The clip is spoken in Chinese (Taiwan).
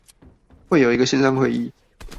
會有一個線上會議